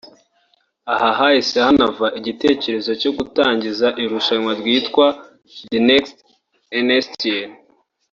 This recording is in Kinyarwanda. aha hahise hanava igitekerezo cyo gutangiza irushanwa ryitwa ‘The Next Einstein’